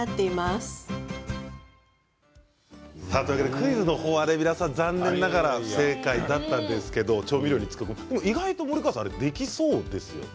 クイズは皆さん残念ながら不正解だったんですが意外と森川さんできそうですよね。